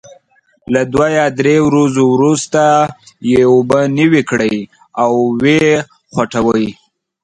له دوه یا درې ورځو وروسته یې اوبه نوي کړئ او وې خوټوئ.